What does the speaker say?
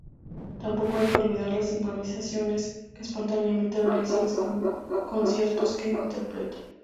Tampoco hay que olvidar las improvisaciones que espontáneamente realiza en los conciertos que interpreta.